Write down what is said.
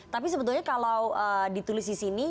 tapi sebetulnya kalau ditulis di sini